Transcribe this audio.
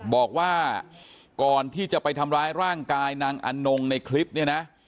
บอกว่าก่อนที่จะไปทำร้ายร่างกายนางอนงในคลิปเนี่ยนะ